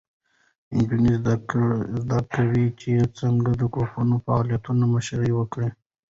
نجونې زده کوي چې څنګه د ګروپي فعالیتونو مشري وکړي.